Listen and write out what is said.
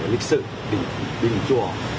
lịch sự bình chùa